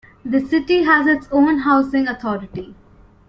The city also has its own housing authority.